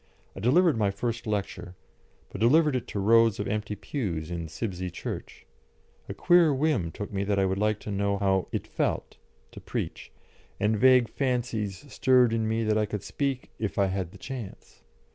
I delivered my first lecture, but delivered it to rows of empty pews in Sibsey Church. A queer whim took me that I would like to know how "it felt" to preach, and vague fancies stirred in me that I could speak if I had the chance.